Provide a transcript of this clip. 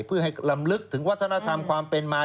เพื่อให้ลำลึกถึงวัฒนธรรมความเป็นมา